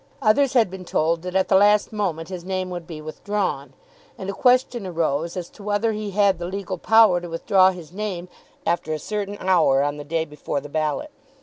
Others had been told that at the last moment his name would be withdrawn, and a question arose as to whether he had the legal power to withdraw his name after a certain hour on the day before the ballot.